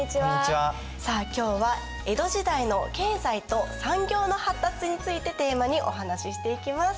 さあ今日は江戸時代の経済と産業の発達についてテーマにお話ししていきます。